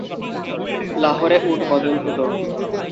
লাহোরে উট বদল হতো।